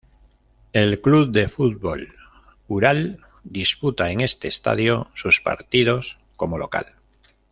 El club de fútbol Ural disputa en este estadio sus partidos como local.